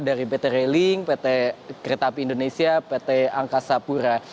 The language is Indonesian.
dari pt railing pt kereta api indonesia pt angkasa pura